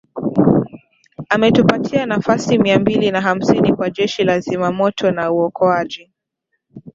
Ametupatia nafasi mia mbili na hamsini kwa Jeshi la Zimamoto na Uokoaji